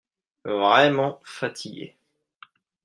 Vraiment fatigué.